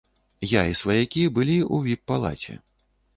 Я і сваякі былі ў віп-палаце.